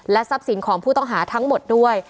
ทรัพย์สินของผู้ต้องหาทั้งหมดด้วย